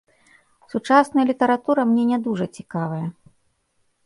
Сучасная літаратура мне не дужа цікавая.